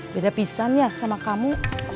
beda pisahnya sama kamu